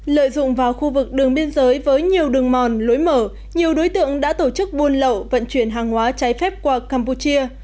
lợi dụng vào khu vực đường biên giới với nhiều đường mòn lối mở nhiều đối tượng đã tổ chức buôn lậu vận chuyển hàng hóa trái phép qua campuchia